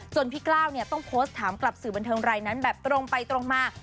พี่กล้าวเนี่ยต้องโพสต์ถามกลับสื่อบันเทิงรายนั้นแบบตรงไปตรงมา